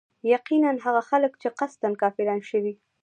يقيناً هغه خلک چي قصدا كافران شوي